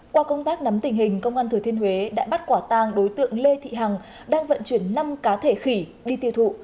qua công tác nắm tình hình công an thừa thiên huế đã bắt quả tang đối tượng lê thị hằng đang vận chuyển năm cá thể khỉ đi tiêu thụ